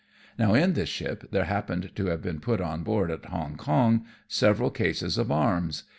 Now in this ship there happened to have been put on board at Hong Kong several cases of arms.